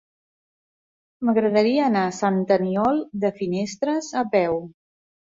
M'agradaria anar a Sant Aniol de Finestres a peu.